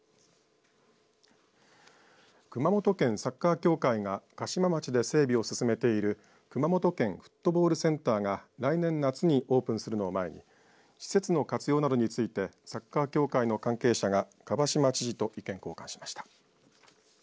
熊本県サッカー協会が嘉島町で整備を進めている熊本県フットボールセンターが来年夏にオープンするのを前に施設の活用などについてサッカー協会の関係者が蒲島知事と意見交換しました。